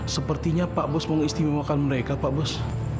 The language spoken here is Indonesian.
sepertinya pak bos mengistimewakan mereka pak bos